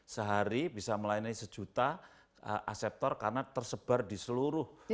sehari bisa melayani sejuta aseptor karena tersebar di seluruh